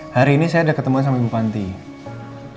hari ini saya ada ketemuan sama ibu panti